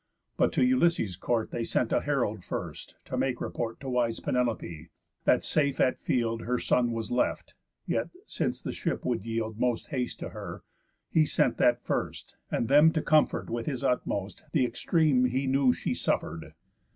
But to Ulysses' court They sent a herald first, to make report To wise Penelopé, that safe at field Her son was left; yet, since the ship would yield Most haste to her, he sent that first, and them To comfort with his utmost the extreme He knew she suffer'd.